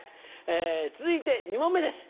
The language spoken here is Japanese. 続いて２問目です。